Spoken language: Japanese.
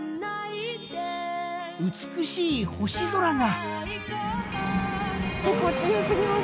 美しい星空が。